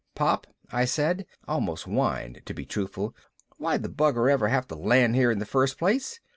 "Pop," I said almost whined, to be truthful, "why'd the bugger ever have to land here in the first place?